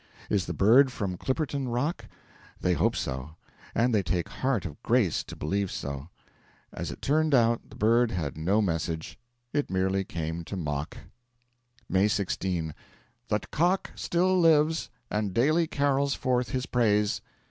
Is the bird from Clipperton Rock? They hope so; and they take heart of grace to believe so. As it turned out the bird had no message; it merely came to mock. May 16, 'the cock still lives, and daily carols forth his praise.'